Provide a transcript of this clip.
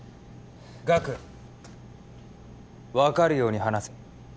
岳分かるように話せ